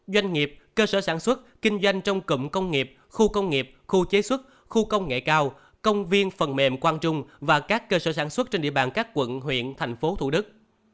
doanh nghiệp cơ sở sản xuất kinh doanh trong cụm công nghiệp khu công nghiệp khu chế xuất khu công nghệ cao công viên phần mềm quang trung và các cơ sở sản xuất trên địa bàn các quận huyện thành phố thủ đức